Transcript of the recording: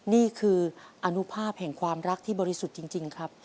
นี่คืออนุภาพแห่งความรักที่บริสุทธิ์จริงครับ